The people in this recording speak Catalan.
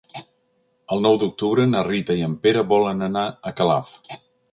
El nou d'octubre na Rita i en Pere volen anar a Calaf.